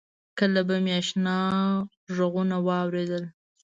کله به مې آشنا غږونه واورېدل.